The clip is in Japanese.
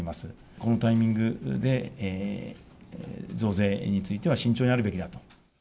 このタイミングで、増税については、慎重になるべきだと。